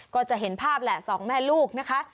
ก็จะเห็นภาพแหละสองแม่ลูกนะคะ